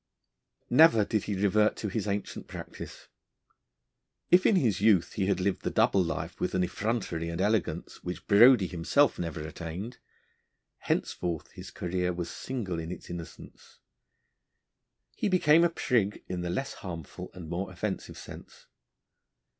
Never did he revert to his ancient practice. If in his youth he had lived the double life with an effrontery and elegance which Brodie himself never attained, henceforth his career was single in its innocence. He became a prig in the less harmful and more offensive sense.